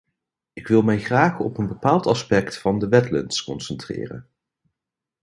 Ik wil mij graag op een bepaald aspect van de wetlands concentreren.